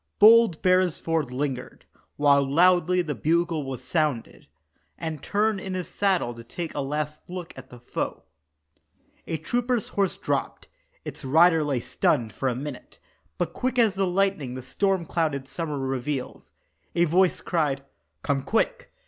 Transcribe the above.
Bold Beresford lingered, while loudly the bugle was sounded, And turned in his saddle to take a last look at the foe. A trooper's horse dropped; its rider lay stunned for a minute But quick as the lightning the storm cloud in summer reveals, A voice cried, "Come, quick!